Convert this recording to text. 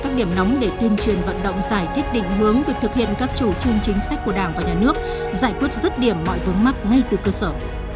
các điểm nóng để tuyên truyền vận động giải thích định hướng việc thực hiện các chủ trương chính sách của đảng và nhà nước giải quyết rứt điểm mọi vướng mắt ngay từ cơ sở